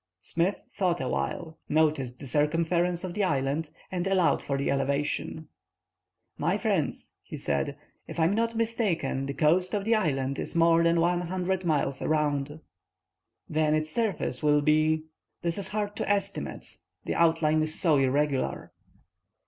Smith thought awhile, noticed the circumference of the island, and allowed for the elevation. "My friends," he said, "if I am not mistaken, the coast of the island is more than 100 miles around." "Then its surface will be—" "That is hard to estimate; the outline is so irregular."